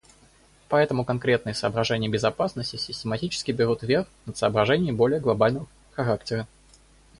Поэтому конкретные соображения безопасности систематически берут вверх над соображениями более глобального характера.